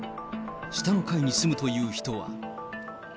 下の階に住むという人は。